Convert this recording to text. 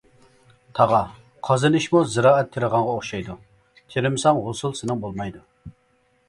تاغا، قازىنىشمۇ زىرائەت تېرىغانغا ئوخشايدۇ، تېرىمىساڭ ھوسۇل سېنىڭ بولمايدۇ.